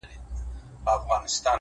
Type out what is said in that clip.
علم د انسان ځواک زیاتوي’